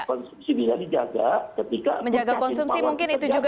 ketika purchasing power terjaga